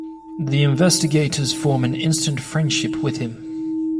The Investigators form an instant friendship with him.